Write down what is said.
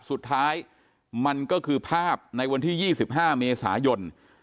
สุดท้ายมันก็คือภาพในวันที่๒๕เมษายน